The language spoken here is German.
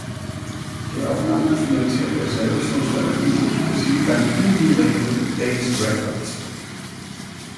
Die Aufnahmen finanzierte er selbst und veröffentlichte sie beim Indie-Label "Daze Records".